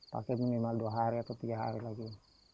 pakai minimal dua hari atau tiga hari lagi